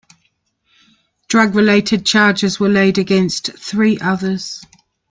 Drug-related charges were laid against three others.